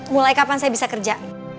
mulai kapan saya bisa kerja